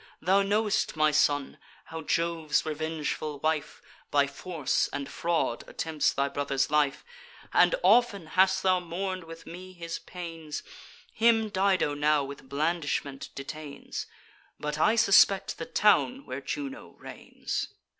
Thou know'st, my son, how Jove's revengeful wife, By force and fraud, attempts thy brother's life; And often hast thou mourn'd with me his pains. Him Dido now with blandishment detains; But I suspect the town where Juno reigns.